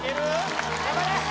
頑張れ！